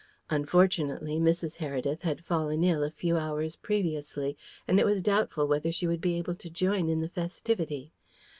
Unfortunately, Mrs. Heredith had fallen ill a few hours previously, and it was doubtful whether she would be able to join in the festivity.